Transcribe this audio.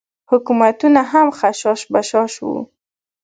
حکومتونه هم خشاش بشاش وو.